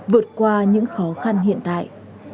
vượt qua những khó khăn hiện tại